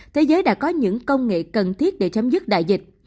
thế giới đã có những công nghệ cần thiết để chấm dứt đại dịch